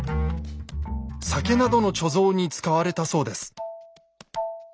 酒などの貯蔵に使われたそうです。